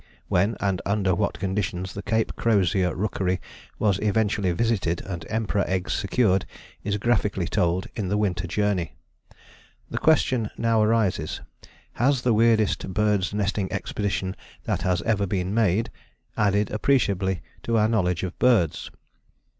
When, and under what conditions, the Cape Crozier rookery was eventually visited and Emperor eggs secured is graphically told in The Winter Journey. The question now arises, Has 'the weirdest bird's nesting expedition that has ever been made' added appreciably to our knowledge of birds?